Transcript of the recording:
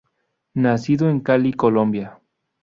Nacido en Cali, Colombia.